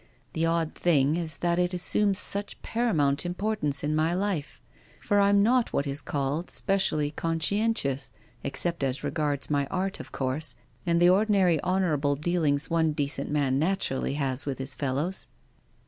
The odd thing is that it assumes such paramount importance in my life ; for I'm not what is called specially conscientious, except as regards my art, of course, and the ordi nary honourable dealings onedecent man naturally has with his fellows."